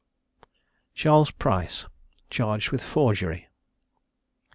CHARLES PRICE. CHARGED WITH FORGERY.